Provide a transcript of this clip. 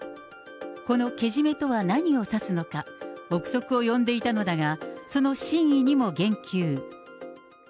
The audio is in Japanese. このけじめとは何を指すのか、臆測を呼んでいたのだが、その真意にも言及。